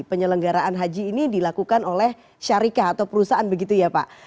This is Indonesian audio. penyelenggaraan haji ini dilakukan oleh syarikah atau perusahaan begitu ya pak